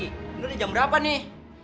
ini jam berapa nih